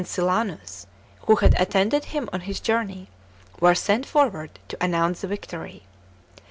Silanus, who had attended him on his journey, were sent forward to announce the victory.